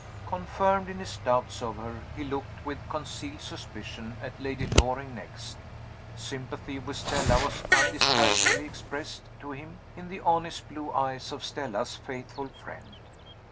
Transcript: Confirmed in his doubts of her, he looked, with concealed suspicion, at Lady Loring next. Sympathy with Stella was undisguisedly expressed to him in the honest blue eyes of Stella's faithful friend.